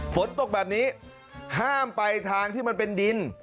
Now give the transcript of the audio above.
ฝนตกแบบนี้ห้ามไปทางที่มันเป็นดิน